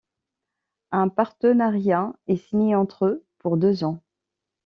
Un partenariat est signé entre eux pour deux ans.